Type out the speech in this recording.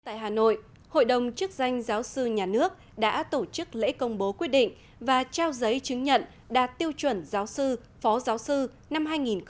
tại hà nội hội đồng chức danh giáo sư nhà nước đã tổ chức lễ công bố quyết định và trao giấy chứng nhận đạt tiêu chuẩn giáo sư phó giáo sư năm hai nghìn một mươi tám